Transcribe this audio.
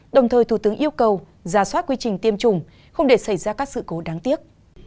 đồng thời thủ tướng yêu cầu giả soát quy trình tiêm chủng không để xảy ra các sự cố đáng tiếc